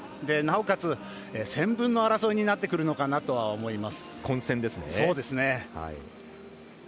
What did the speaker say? なおかつ１０００分の争いになるのかなとは思います。